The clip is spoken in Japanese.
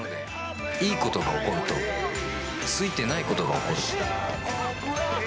いいことが起こるとついてないことが起こる。